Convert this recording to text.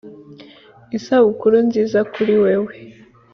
isabukuru nziza kuri wewe,